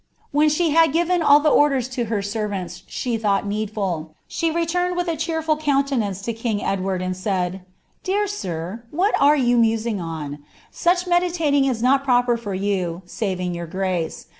When ahe bad p<v all the orders lo her servants she lliaught needlul, she returned wdkt cheerful countenance to king Edward, and said —"' Dear air, what are you musing on } Such medilaliojj k not ptff for you, saving your grace.